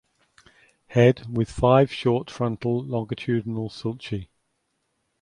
Head with five short frontal longitudinal sulci.